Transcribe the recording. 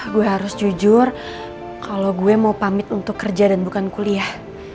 gue harus jujur kalau gue mau pamit untuk kerja dan bukan kuliah